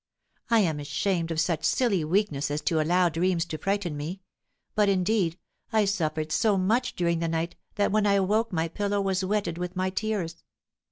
I am ashamed of such silly weakness as to allow dreams to frighten me, but, indeed, I suffered so much during the night that when I awoke my pillow was wetted with my tears."